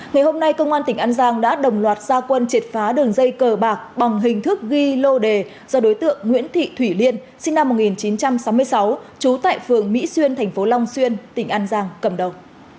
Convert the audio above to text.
ngày hôm nay công an tỉnh an giang đã đồng loạt gia quân triệt phá đường dây cờ bạc bằng hình thức ghi lô đề do đối tượng nguyễn thị thủy liên sinh năm một nghìn chín trăm sáu mươi sáu trú tại phường mỹ xuyên tp long xuyên tỉnh an giang cầm đầu